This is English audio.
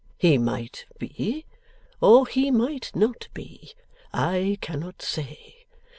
He might be, or he might not be. I cannot say.